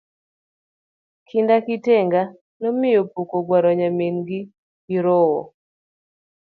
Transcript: Kinda kitenga nomiyo opuk ogwaro nyarmin kirowo